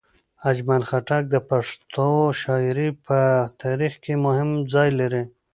اجمل خټک د پښتو شاعرۍ په تاریخ کې مهم ځای لري.